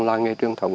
là nghề truyền thống